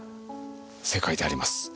正解であります。